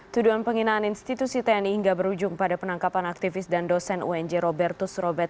tuduhan penghinaan institusi tni hingga berujung pada penangkapan aktivis dan dosen unj robertus robert